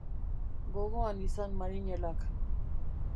Gogoan izan marinelak.